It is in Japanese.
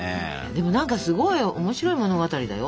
でも何かすごい面白い物語だよ。